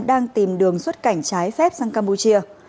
đang tìm đường xuất cảnh trái phép sang campuchia